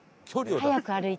速く歩いて。